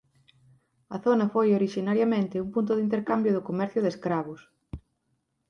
A zona foi orixinariamente un punto de intercambio do comercio de escravos.